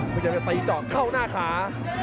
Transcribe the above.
มันยังจะตีเจาะเข้าหน้าขา